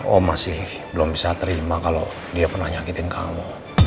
oh masih belum bisa terima kalau dia pernah nyakitin kamu